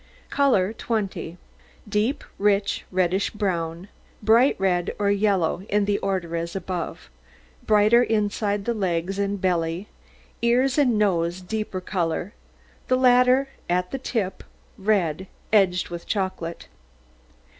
COLOUR 20 Deep, rich, reddish brown, bright red, or yellow, in the order as above, brighter inside the legs and belly; ears and nose deeper colour, the latter at the tip red, edged with chocolate.